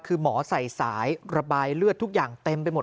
คือหมอใส่สายระบายเลือดทุกอย่างเต็มไปหมด